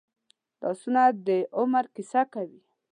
لاسونه د عمر کیسه کوي